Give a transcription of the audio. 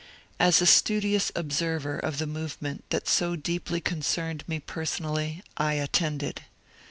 As a studious observer of the movement that so deeply concerned me personally, I attended.